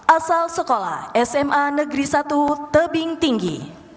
asal sekolah sma negeri satu tebing tinggi